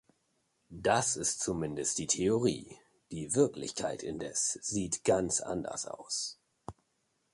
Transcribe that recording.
Das ist zumindest die Theorie, die Wirklichkeit indes sieht ganz anders aus.